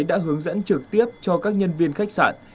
đã hướng dẫn trực tiếp cho các nhân viên khách sạn